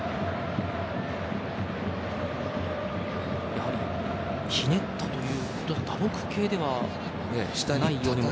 やはり、ひねったということで打撲系ではないような。